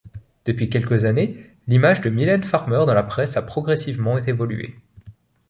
Depuis quelques années, l’image de Mylène Farmer dans la presse a progressivement évolué.